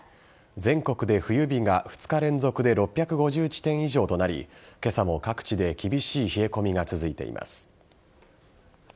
全国で冬日が２日連続で６５０地点以上となり今朝も各地で厳しい冷え込みが続いています。